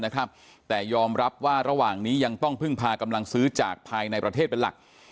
ขึ้นจากไทยในประเทศเป็นหลัก